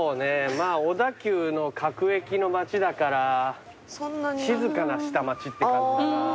まあ小田急の各駅の街だから静かな下町って感じかな。